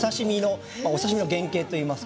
お刺身の原形といいますか。